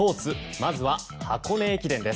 まずは箱根駅伝です。